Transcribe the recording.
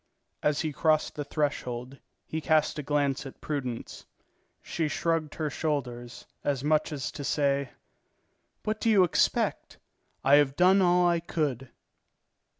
As he crossed the threshold, he cast a glance at Prudence. She shrugged her shoulders, as much as to say: "What do you expect? I have done all I could."